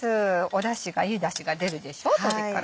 だしがいいだしが出るでしょ鶏から。